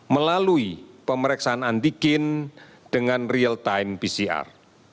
melalui pemeriksaan antigen dengan real time pcr